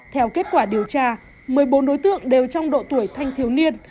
theo kết quả điều tra một mươi bốn đối tượng đều trong độ tuổi thanh thiếu niên